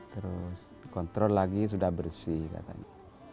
terus kontrol lagi sudah bersih katanya